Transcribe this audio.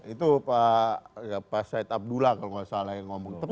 itu pak said abdullah kalau nggak salah yang ngomong